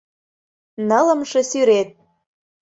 Нылымше сӱрет